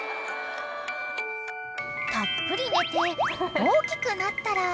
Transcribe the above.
［たっぷり寝て大きくなったら］